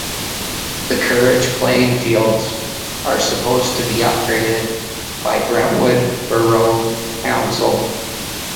The Courage Playing Fields are supposed to be upgraded by Brentwood Borough Council.